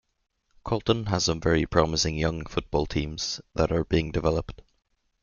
Colton has some very promising young football teams that are being developed.